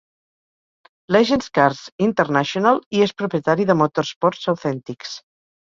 Legends Cars International, i és propietari de Motorsports Authentics.